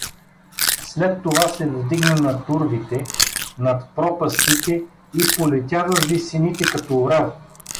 След това се вдигна над урвите, над пропастите и полетя във висините като орел.